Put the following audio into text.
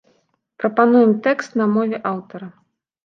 Прапануем тэкст на мове аўтара.